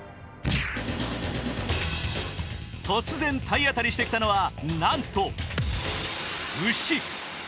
突然、体当たりしてきたのは、なんと牛。